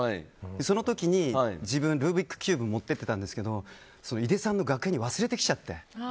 その時に、自分ルービックキューブを持って行ってたんですけどいでさんの楽屋に忘れてきちゃって。